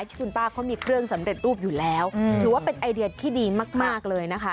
ที่คุณป้าเขามีเครื่องสำเร็จรูปอยู่แล้วถือว่าเป็นไอเดียที่ดีมากเลยนะคะ